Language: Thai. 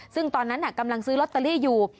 ซึ่งตอนนั้นกำลังซื้อลอตเตอรี่อยู่